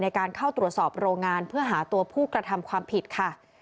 การเข้าตรวจสอบโรงงานเพื่อหาตัวผู้กระทำความผิดค่ะ